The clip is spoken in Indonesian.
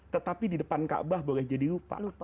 tetapi di depan kaabah boleh jadi lupa